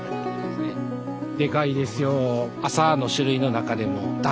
でかいですよ。